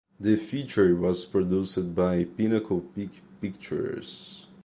The feature was produced by Pinnacle Peak Pictures.